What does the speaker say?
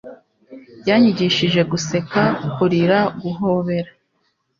yanyigishije guseka, kurira, guhobera